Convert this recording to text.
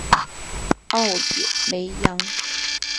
奥雷扬。